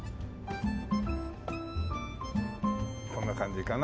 こんな感じかな？